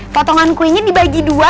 potongan kuenya dibagi dua